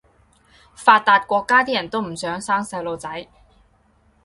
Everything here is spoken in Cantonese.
發達國家啲人都唔想生細路仔